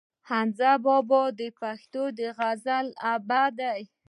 حمزه بابا د پښتو غزل پلار دی.